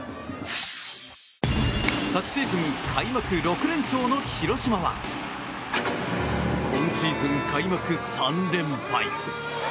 昨シーズン開幕６連勝の広島は今シーズン開幕３連敗。